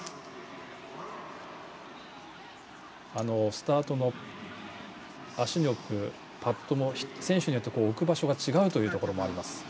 スタートの足に置くパッドも選手によって置く場所が違うというところもあります。